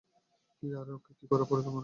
কী করার পরিকল্পনা করছিস?